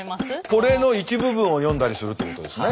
これの一部分を読んだりするってことですね。